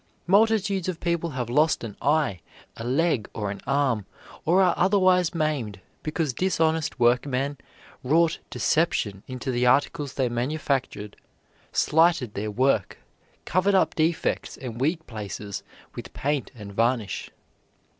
Multitudes of people have lost an eye, a leg, or an arm, or are otherwise maimed, because dishonest workmen wrought deception into the articles they manufactured, slighted their work, covered up defects and weak places with paint and varnish.